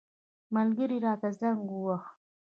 ملګري راته زنګ وواهه.